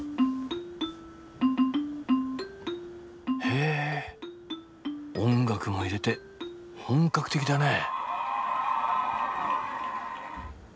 へえ音楽も入れて本格的だね。